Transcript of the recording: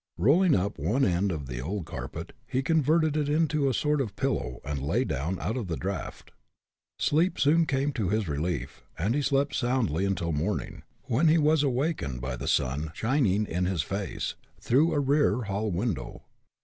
Rolling up one end of the old carpet he converted it into a sort of pillow, and lay down, out of the draft. Sleep soon came to his relief, and he slept soundly until morning, when he was awakened by the sun shining in his face, through a rear hall window.